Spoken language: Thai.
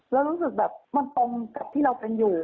แล้วรู้สึกแบบมันตรงกับที่เราเป็นอยู่